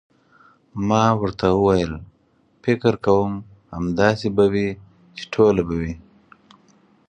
ما ورته وویل: فکر کوم، همداسې به وي، چې ټوله به وي.